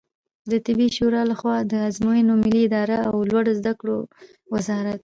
د طبي شورا له خوا د آزموینو ملي ادارې او لوړو زده کړو وزارت